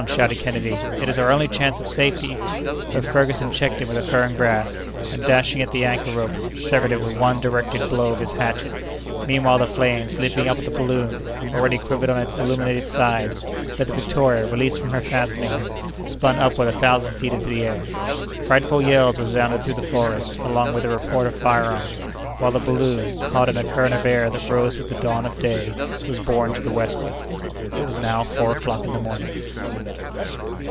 shouted Kennedy, "it is our only chance of safety!" But Ferguson checked him with a firm grasp, and, dashing at the anchor rope, severed it with one well directed blow of his hatchet. Meanwhile, the flames, leaping up at the balloon, already quivered on its illuminated sides; but the Victoria, released from her fastenings, spun upward a thousand feet into the air. Frightful yells resounded through the forest, along with the report of fire arms, while the balloon, caught in a current of air that rose with the dawn of day, was borne to the westward. It was now four o'clock in the morning.